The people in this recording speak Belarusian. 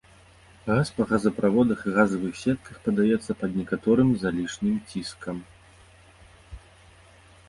Газ па газаправодах і газавых сетках падаецца пад некаторым залішнім ціскам.